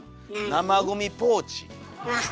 生ゴミポーチ。